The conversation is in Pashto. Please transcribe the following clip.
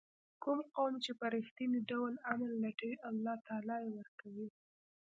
کوم قوم چې په رښتیني ډول امن لټوي الله تعالی یې ورکوي.